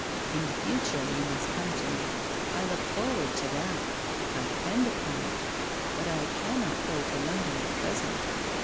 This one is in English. " In the future you must come to me. I look forward to that, I depend upon it. But I cannot go to London at present.